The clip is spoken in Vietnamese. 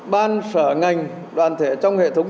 ban sở ngành đoàn thể trong hệ thống